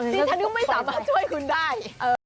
ฉันก็ไม่สามารถช่วยคุณได้